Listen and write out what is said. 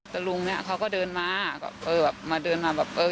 ตะลุงเขาก็เดินมามาเดินมาแบบ